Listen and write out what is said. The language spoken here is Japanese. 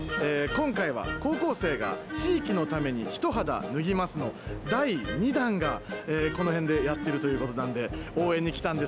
今回は「高校生が地域のために一肌脱ぎます」の第２弾がこの辺でやってるということなんで応援に来たんですが。